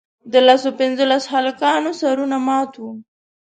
د لسو پینځلسو هلکانو سرونه مات وي.